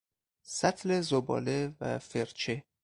سطل زباله و فرچه